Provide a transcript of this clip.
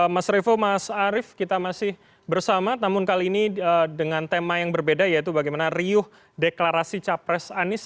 mas revo mas arief kita masih bersama namun kali ini dengan tema yang berbeda yaitu bagaimana riuh deklarasi capres anies